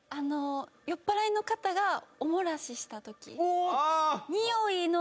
酔っぱらいの方がおもらししたとき。